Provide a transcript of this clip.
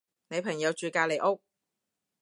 你朋友住隔離屋？